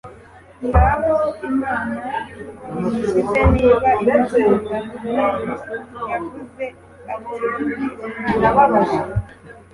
ngaho Imana nimukize niba imukunda; kuko yavuze ati: Ndi Umwana w'Imana",